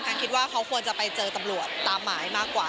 คิดว่าเขาควรจะไปเจอตำรวจตามหมายมากกว่า